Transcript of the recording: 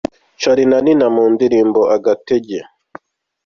Charly na Nina mu ndirimbo "Agatege".